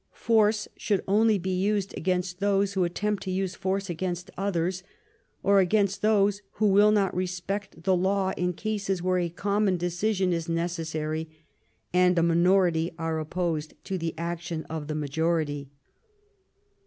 Force should only be used against those who attempt to use force against others, or against those who will not respect the law in cases where a common decision is necessary and a minority are opposed to the action of the majority.